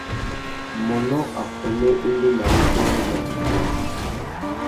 Mônô affuênê i ndéndamú being nà idiya.